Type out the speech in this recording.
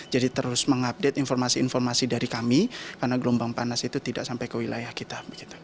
jadi terus mengupdate informasi informasi dari kami karena gelombang panas itu tidak sampai ke wilayah kita